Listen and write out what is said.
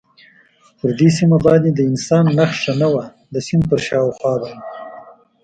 پر دې سیمه باندې د انسان نښه نه وه، د سیند پر شاوخوا باندې.